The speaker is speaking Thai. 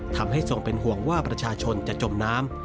ทรงเป็นห่วงว่าประชาชนจะจมน้ำ